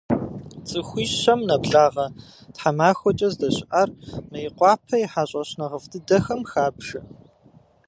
Цӏыхуищэм нэблагъэ тхьэмахуэкӏэ здэщыӏар Мейкъуапэ и хьэщӏэщ нэхъыфӏ дыдэхэм хабжэ.